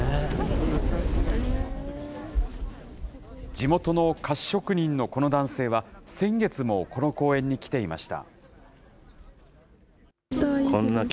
地元の菓子職人のこの男性は、先月もこの公園に来ていました。